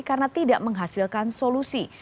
karena tidak menghasilkan solusi